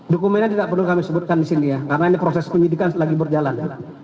dokumennya tidak perlu kami sebutkan di sini ya karena ini proses penyidikan lagi berjalan